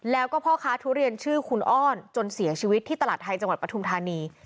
แล้วก็พ่อค้าทุเรียนชื่อคุณอ้อนจนเสียชีวิตที่ตลาดไทยจังหวัดปทุมธานี